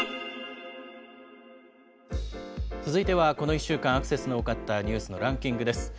続いてはこの１週間、アクセスの多かったニュースのランキングです。